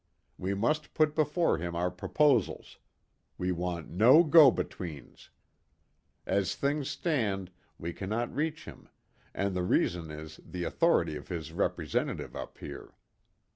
We must put before him our proposals. We want no go betweens. As things stand we cannot reach him, and the reason is the authority of his representative up here.